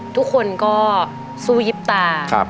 ทุกคนก็สู้ยิบตา